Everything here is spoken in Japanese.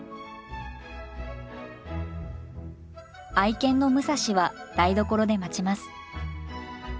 愛犬のムサシは台所で待ちます。